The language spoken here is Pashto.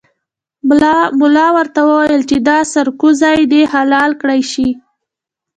ملا ورته وویل چې دا سرکوزی دې حلال کړای شي.